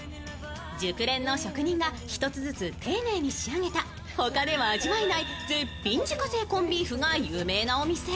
熟練の職人が１つずつ丁寧に仕上げた他では味わえない絶品自家製コンビーフが有名なお店。